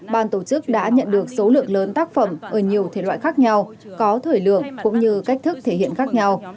ban tổ chức đã nhận được số lượng lớn tác phẩm ở nhiều thể loại khác nhau có thời lượng cũng như cách thức thể hiện khác nhau